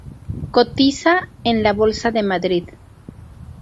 Cotiza en la Bolsa de Madrid.